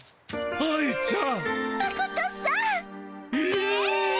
「愛ちゃん」